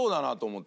って。